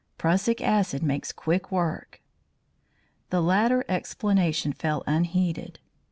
Prussic acid makes quick work." The latter explanation fell unheeded.